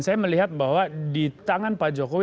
saya melihat bahwa di tangan pak jokowi